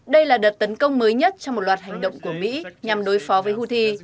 đây là đợt tấn công mới nhất trong một loạt hành động của mỹ nhằm đối phó với houthi